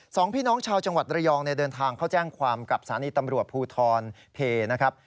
สองพี่น้องชาวจังหวัดระยองเดินทางเข้าแจ้งความกับสถานีตำรวจภูทรเพนะครับ